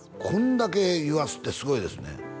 こんだけ言わすってすごいですね